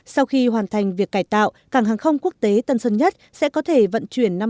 sau khi hoàn thành việc cải tạo cảng hàng không quốc tế tân sân nhất sẽ có thể vận chuyển